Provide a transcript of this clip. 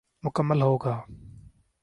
مکمل ہو گا۔